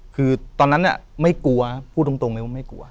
คือตอนนั้นไม่กลัวพูดตรงเลยว่าไม่กลัว